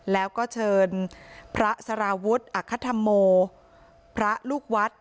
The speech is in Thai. แล้วก็เชิญพระสารวุฒิอัคธรรโมพระลูกวัด